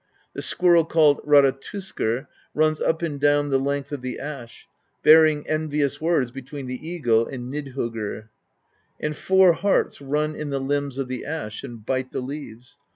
The squirrel called Ratatoskr runs up and down the length of the Ash, bear ing envious words between the eagle and Nidhoggr; and four harts run in the limbs of the Ash and bite the leaves.